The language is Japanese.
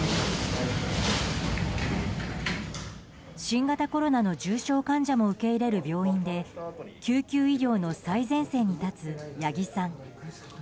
新型コロナの重症患者も受け入れる病院で救急医療の最前線に立つ八木さん。